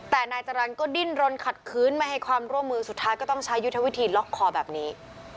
แต่นายจรรย์ก็ดิ้นรนขัดคืนไม่ให้ความร่วมมือสุดท้ายก็ต้องใช้ยุทธวิธีล็อกคอแบบนี้